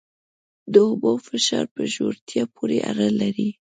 د اوبو فشار په ژورتیا پورې اړه لري.